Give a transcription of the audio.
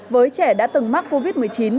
với trẻ đã từng mắc covid một mươi chín